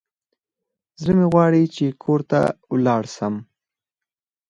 زړه مي غواړي چي کور ته ولاړ سم.